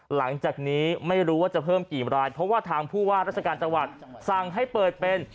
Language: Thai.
หลังจากนี้ไม่รู้ว่าจะเพิ่มกี่รายเพราะว่าทางผู้ว่าราชการจังหวัดสั่งให้เปิดเป็น